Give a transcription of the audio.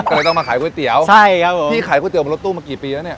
ก็เลยต้องมาขายก๋วยเตี๋ยวพี่ขายก๋วยเตี๋ยวบนรถตู้เมื่อกี๊ปีแล้วเนี่ย